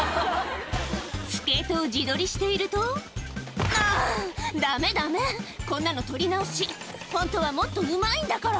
スケートを自撮りしていると「あぁダメダメこんなの撮り直し」「ホントはもっとうまいんだから」